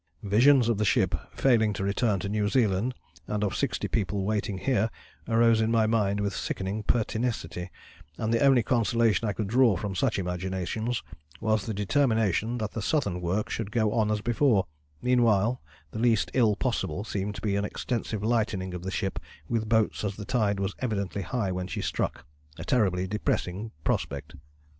"Visions of the ship failing to return to New Zealand and of sixty people waiting here arose in my mind with sickening pertinacity, and the only consolation I could draw from such imaginations was the determination that the southern work should go on as before meanwhile the least ill possible seemed to be an extensive lightening of the ship with boats as the tide was evidently high when she struck a terribly depressing prospect.